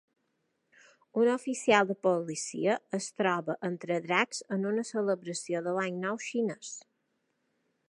Un oficial de policia es troba entre dracs en una celebració de l'any nou xinès